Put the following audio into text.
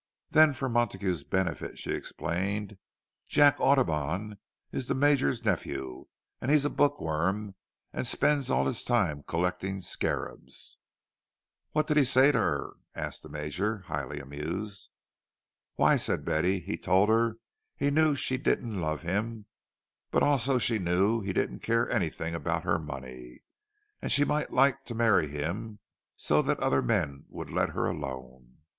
Then, for Montague's benefit, she explained, "Jack Audubon is the Major's nephew, and he's a bookworm, and spends all his time collecting scarabs." "What did he say to her?" asked the Major, highly amused. "Why," said Betty, "he told her he knew she didn't love him; but also she knew that he didn't care anything about her money, and she might like to marry him so that other men would let her alone."